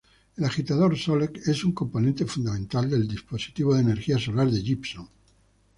El agitador solex es un componente fundamental del dispositivo de energía solar de Gibson.